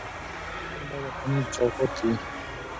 خبریالان باید د قانون په چوکاټ کې وي.